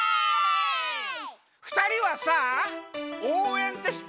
ふたりはさおうえんってしってる？